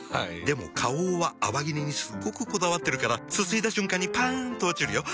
でも花王は泡切れにすっごくこだわってるからすすいだ瞬間にパン！と落ちるよ。